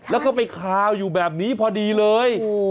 แล้วก็ไปคาวอยู่แบบนี้พอดีเลย